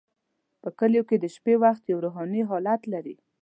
په کلیو کې د شپې وخت یو روحاني حالت لري.